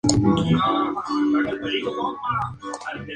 Actualmente, es la sede del Consejo de Estado.